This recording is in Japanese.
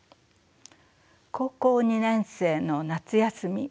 高校２年生の夏休み。